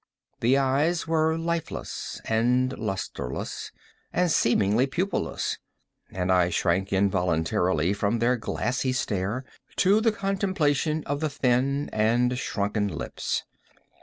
The eyes were lifeless, and lustreless, and seemingly pupilless, and I shrank involuntarily from their glassy stare to the contemplation of the thin and shrunken lips.